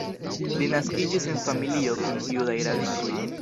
Li naskiĝis en familio kun judaj radikoj.